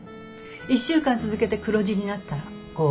１週間続けて黒字になったら合格。